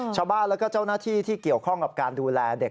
ชาวบ้านแล้วก็เจ้าหน้าที่ที่เกี่ยวข้องกับการดูแลเด็ก